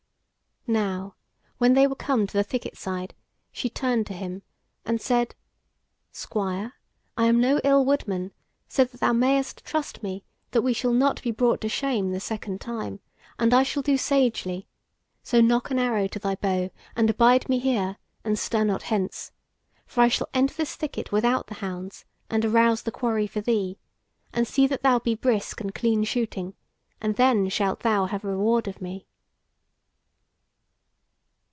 Now when they were come to the thicket side, she turned to him and said: "Squire, I am no ill woodman, so that thou mayst trust me that we shall not be brought to shame the second time; and I shall do sagely; so nock an arrow to thy bow, and abide me here, and stir not hence; for I shall enter this thicket without the hounds, and arouse the quarry for thee; and see that thou be brisk and clean shooting, and then shalt thou have a reward of me."